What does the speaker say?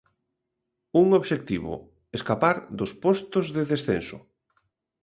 Un obxectivo: escapar dos postos de descenso.